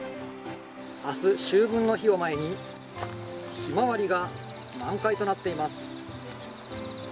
あす、秋分の日を前に、ヒマワリが満開となっています。